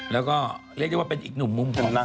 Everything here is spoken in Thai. แล้วก็เรียกได้ว่าเป็นอีกหนุ่มมุมของสุดท้าย